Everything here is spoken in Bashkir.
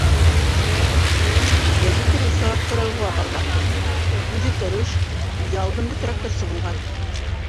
Гәзит уҡыусы аптырауға ҡалғандыр инде: үҙе тырыш, үҙе алдынғы тракторсы булған.